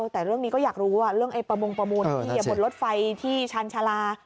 แต่เรื่องนี้ก็อยากรู้เรื่องไอ้ประมงประมูลที่บนรถไฟที่ชาญชาลา